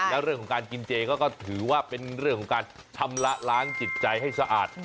แล้วเรื่องของการกินเจก็ถือว่าเป็นเรื่องของการชำระล้างจิตใจให้สะอาด